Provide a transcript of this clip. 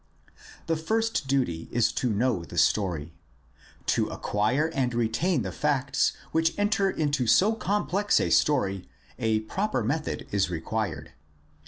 The first duty is to know the story. To acquire and retain the facts which enter into so complex a story a proper method is required.